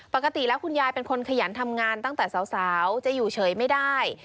ปกติแล้วคุณยายเป็นคนขยันทำงานตั้งแต่สาวจะอยู่เฉยไม่ได้